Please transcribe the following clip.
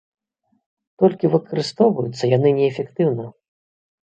Толькі выкарыстоўваюцца яны неэфектыўна.